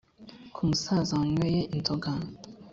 ku musaza wanyweye inzoga,